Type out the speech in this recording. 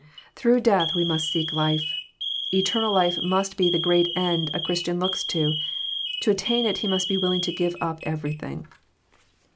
Through death we must seek life. Eternal life must be the great end a Christian looks i&. To attain it he must.be willing to give up everything.